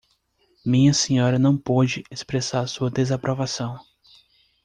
Minha senhora não pôde expressar sua desaprovação.